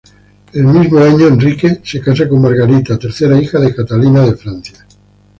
El mismo año, Enrique se casa con Margarita, tercera hija de Catalina de Francia.